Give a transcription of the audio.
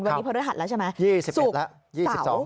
วันนี้พระอาหารแล้วใช่ไหม๒๑แล้ว๒๒๒๓๒๔